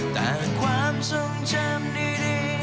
ต่างความทรงจำดี